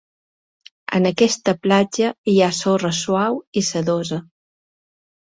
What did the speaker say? En aquesta platja hi ha sorra suau i sedosa.